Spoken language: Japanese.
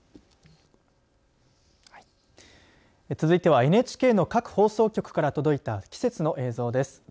続いてはＮＨＫの各放送局から届いた季節の映像です。